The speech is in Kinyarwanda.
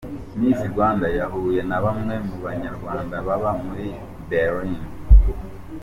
Miss Rwanda yahuye na bamwe mu banyarwanda baba muri Berlin.